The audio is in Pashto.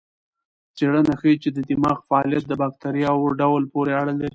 څېړنه ښيي چې د دماغ فعالیت د بکتریاوو ډول پورې اړه لري.